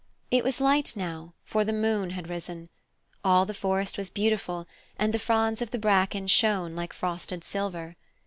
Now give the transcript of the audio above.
It was light now, for the moon had risen. All the forest was beautiful, and the fronds of the bracken shone like frosted silver.